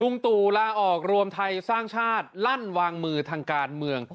ตู่ลาออกรวมไทยสร้างชาติลั่นวางมือทางการเมือง